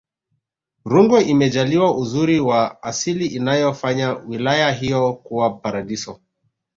rungwe imejaliwa uzuri wa asili unayofanya wilaya hiyo kuwa paradiso